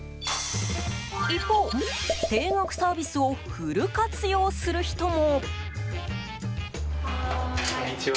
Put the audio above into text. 一方、定額サービスをフル活用する人も。